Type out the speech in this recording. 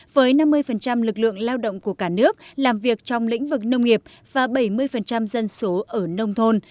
với năm mươi lực lượng lao động của cả nước làm việc trong lĩnh vực nông nghiệp và bảy mươi dân số ở nông thôn